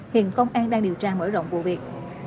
hiện công an đang điều tra mở rộng vụ việc